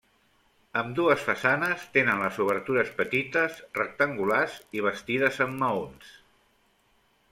Ambdues façanes tenen les obertures petites, rectangulars i bastides amb maons.